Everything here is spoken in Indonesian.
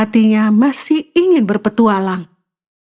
dia ingin berpengalaman